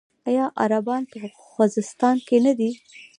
آیا عربان په خوزستان کې نه دي؟